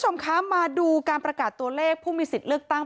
มาดูการประกาศตัวเลขผู้มีสติเลือกตั้ง